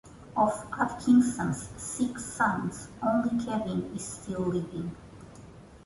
Of Adkisson's six sons, only Kevin is still living.